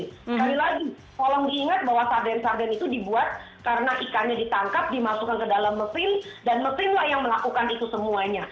sekali lagi tolong diingat bahwa sarden sarden itu dibuat karena ikannya ditangkap dimasukkan ke dalam mesin dan mesinlah yang melakukan itu semuanya